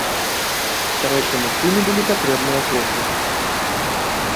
Старэйшаму сыну былі патрэбныя грошы.